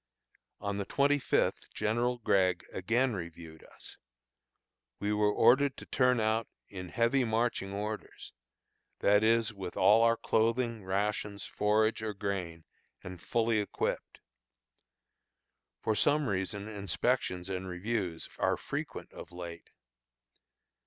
On the twenty fifth General Gregg again reviewed us. We were ordered to turn out in "heavy marching orders," that is, with all our clothing, rations, forage or grain, and fully equipped. For some reason inspections and reviews are frequent of late.